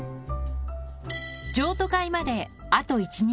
譲渡会まであと１日。